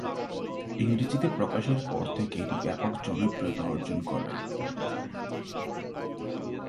ইংরেজিতে প্রকাশের পর থেকে এটি ব্যাপক জনপ্রিয়তা অর্জন করে।